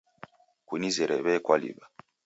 Kusenizere wei kwaliwa